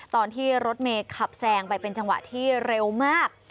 ตอนที่รถเมย์ขับแซงไปเป็นจังหวะที่เร็วมาก